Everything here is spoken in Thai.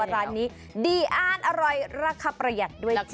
ร้านนี้ดีอ้านอร่อยราคาประหยัดด้วยจ้